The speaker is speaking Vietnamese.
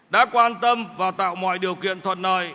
đã quan tâm và tạo mọi điều kiện thuận lợi